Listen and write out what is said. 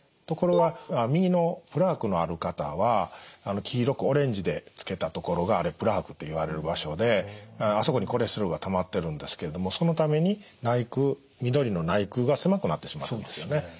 ところが右のプラークのある方は黄色くオレンジでつけた所があれプラークといわれる場所であそこにコレステロールがたまってるんですけれどもそのために緑の内腔が狭くなってしまったんですよね。